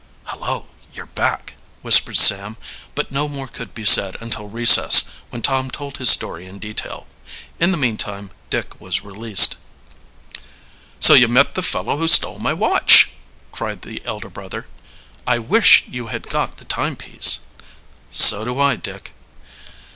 "Hullo, you're back," whispered Sam, but no more could be said until recess, when Tom told his story in detail. In the meantime Dick was released. "So you met the fellow who stole my watch!" cried the elder brother. "I wish you had got the timepiece." "So do I, Dick."